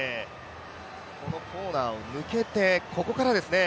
このコーナーを抜けてここからですね。